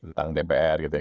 tentang dpr gitu ya